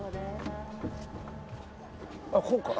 あっこうか。